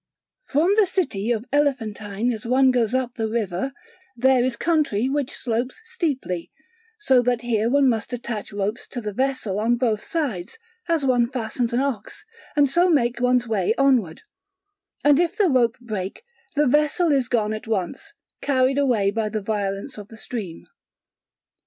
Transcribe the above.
From the city of Elephantine as one goes up the river there is country which slopes steeply; so that here one must attach ropes to the vessel on both sides, as one fastens an ox, and so make one's way onward; and if the rope break, the vessel is gone at once, carried away by the violence of the stream.